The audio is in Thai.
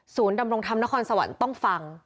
ศูนย์ดำรงค์ทำนครสะวัลต้องฟัง